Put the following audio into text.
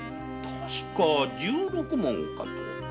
確か十六文かと。